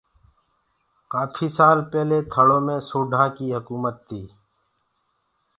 ڪآڦي سآل پيلي ٿݪو مي سوڍآ ڪي هڪومت تي